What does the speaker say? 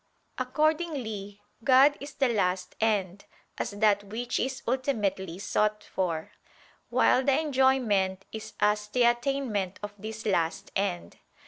Accordingly God is the last end, as that which is ultimately sought for: while the enjoyment is as the attainment of this last end.